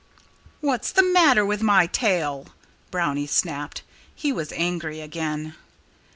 "What's the matter with my tail?" Brownie snapped. He was angry again.